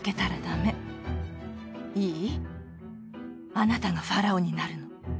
あなたがファラオになるの。